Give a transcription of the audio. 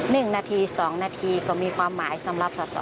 ๑นาที๒นาทีก็มีความหมายสำหรับสาสอ